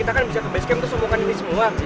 lo kan bisa ke basecamp terus omongin ini semua